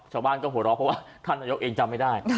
ชาวบ้านก็หัวเราะเพราะว่าท่านนายกเองจำไม่ได้